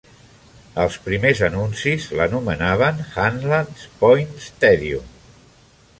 Els primers anuncis l'anomenaven Hanlan's Point Stadium.